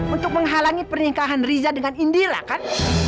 untuk menghalangi pernikahan riza dengan indira kan